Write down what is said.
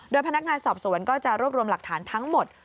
พนักงานสอบสวนก็จะรวบรวมหลักฐานทั้งหมด